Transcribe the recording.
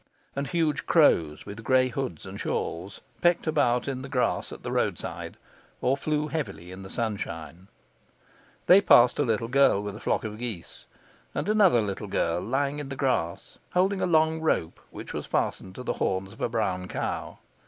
And huge crows, with gray hoods and shawls, pecked about in the grass at the roadside or flew heavily in the sunshine. They passed a little girl with a flock of geese, and another little girl lying in the grass holding a long rope which was fastened to the horns of a brown cow.